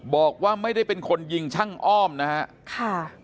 บอกว่าไม่ได้เป็นคนยิงช่างอ้อมนะครับ